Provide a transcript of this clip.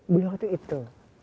beliau itu itu